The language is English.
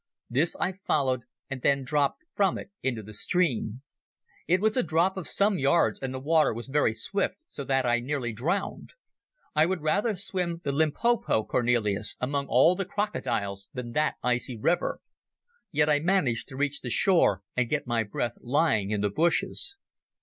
This I followed, and then dropped from it into the stream. It was a drop of some yards, and the water was very swift, so that I nearly drowned. I would rather swim the Limpopo, Cornelis, among all the crocodiles than that icy river. Yet I managed to reach the shore and get my breath lying in the bushes